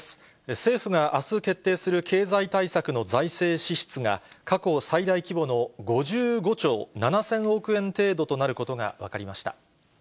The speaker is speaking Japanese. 政府があす決定する、経済対策の財政支出が、過去最大規模の５５兆７０００億円程度となることが分かりました。